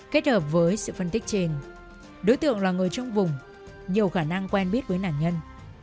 kết hợp với sự phân tích trên đối tượng là người trong vùng nhiều khả năng quen biết với nạn nhân